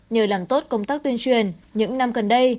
nhờ làm tốt công tác tuyên truyền những năm gần đây